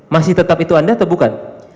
masih tetap itu anda atau bukan